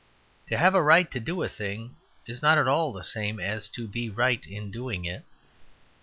To have a right to do a thing is not at all the same as to be right in doing it.